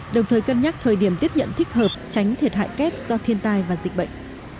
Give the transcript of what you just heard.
đồng thời cân nhắc thời điểm tiếp nhận thích hợp tránh thiệt hại kép do thiên tai và dịch bệnh